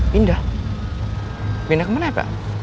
pindah pindah ke mana pak